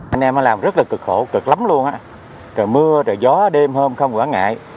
anh em làm rất là cực khổ cực lắm luôn á rồi mưa rồi gió đêm hôm không quả ngại